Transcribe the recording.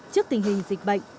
trước tình hình dịch bệnh